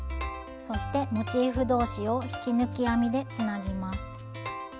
そしてモチーフ同士を引き抜き編みでつなぎます。